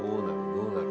どうなる？